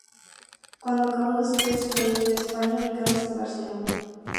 Cuando acabó sus estudios se fue a vivir a España, ubicándose en Barcelona.